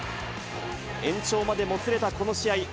延長までもつれたこの試合。